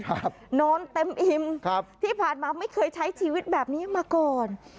ครับนอนเต็มอิ่มครับที่ผ่านมาไม่เคยใช้ชีวิตแบบนี้มาก่อน